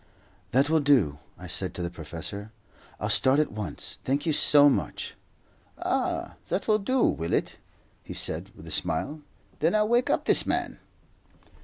"That will do," I said to the professor. "I'll start at once. Thank you so much." "Ah, that will do, will it?" he said, with a smile. "Then I'll wake up this man."